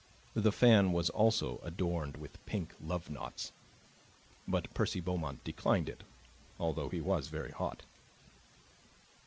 The fan was also adorned with pink love knots; but Percy Beaumont declined it, although he was very hot.